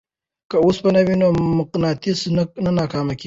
که اوسپنه وي نو مقناطیس نه ناکامیږي.